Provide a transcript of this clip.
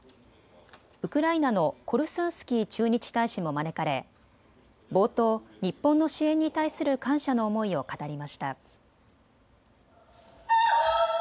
ウクライナのコルスンスキー駐日大使も招かれ冒頭、日本の支援に対する感謝の思いを語りました。